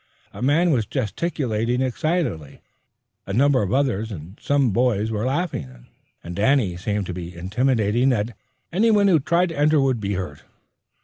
A man was gesticulating excitedly, a number of others and some boys were laughing, and Danny seemed to be intimating that any one who tried to enter would be hurt.